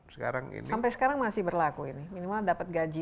sampai sekarang masih berlaku ini minimal dapat gaji